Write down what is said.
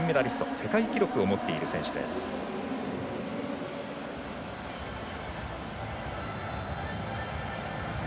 世界記録を持っている選手です。